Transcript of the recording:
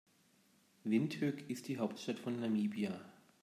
Windhoek ist die Hauptstadt von Namibia.